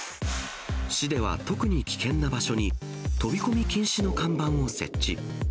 市では、特に危険な場所に飛び込み禁止の看板を設置。